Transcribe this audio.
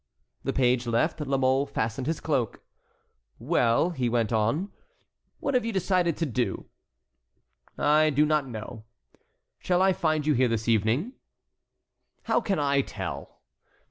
The page left. La Mole fastened his cloak. "Well," he went on, "what have you decided to do?" "I do not know." "Shall I find you here this evening?" "How can I tell?"